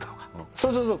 そうそうそう。